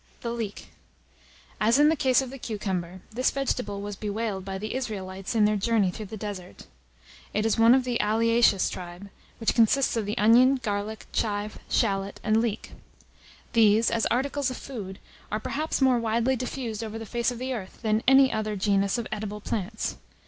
] THE LEEK. As in the case of the cucumber, this vegetable was bewailed by the Israelites in their journey through the desert. It is one of the alliaceous tribe, which consists of the onion, garlic, chive, shallot, and leek. These, as articles of food, are perhaps more widely diffused over the face of the earth than any other genus of edible plants.